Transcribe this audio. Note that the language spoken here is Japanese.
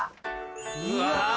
うわ！